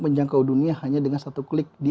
menjangkau dunia hanya dengan satu klik di